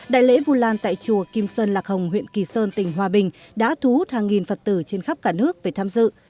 đại lễ vu lan tại chùa kim sơn lạc hồng huyện kỳ sơn tỉnh hòa bình đã thu hút hàng nghìn phật tử trên khắp cả nước về tham dự